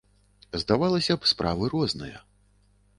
Здавалася б, справы розныя.